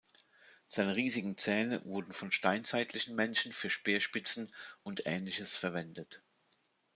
Seine riesigen Zähne wurden von steinzeitlichen Menschen für Speerspitzen und Ähnliches verwendet.